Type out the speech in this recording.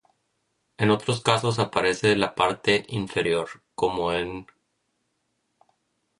En otros casos aparece en la parte inferior, como en 毞.